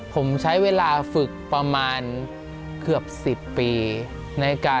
ผมใช้เวลาฝึกประมาณเกือบ๑๐ปี